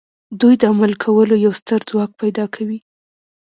دوی د عمل کولو یو ستر ځواک پیدا کوي